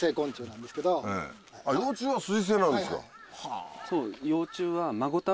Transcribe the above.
幼虫は水生なんですかはぁ。